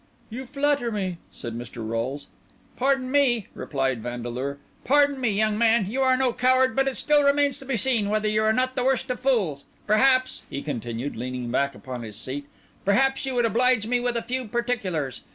"You flatter me," said Mr. Rolles. "Pardon me," replied Vandeleur; "pardon me, young man. You are no coward, but it still remains to be seen whether you are not the worst of fools. Perhaps," he continued, leaning back upon his seat, "perhaps you would oblige me with a few particulars.